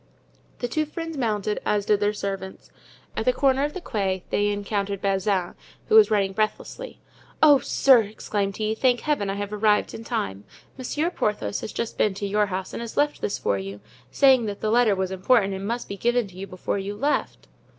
The two friends mounted, as did their servants. At the corner of the Quai they encountered Bazin, who was running breathlessly. "Oh, sir!" exclaimed he, "thank Heaven I have arrived in time. Monsieur Porthos has just been to your house and has left this for you, saying that the letter was important and must be given to you before you left."